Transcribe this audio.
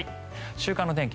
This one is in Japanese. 週間の天気